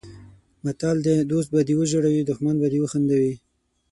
متل دی: دوست به دې وژړوي دښمن به دې وخندوي.